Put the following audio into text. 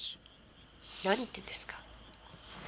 何言ってんですか？